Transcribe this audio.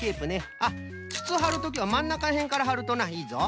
あっつつはるときはまんなかへんからはるとないいぞ。